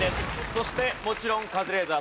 そしてもちろんカズレーザーさん